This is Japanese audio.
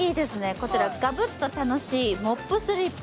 こちらガブッ！と楽しいモップスリッパ